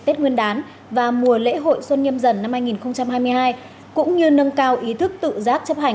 tết nguyên đán và mùa lễ hội xuân nhâm dần năm hai nghìn hai mươi hai cũng như nâng cao ý thức tự giác chấp hành